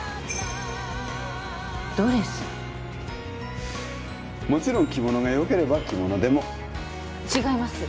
ドレスもちろん着物がよければ着物でも違います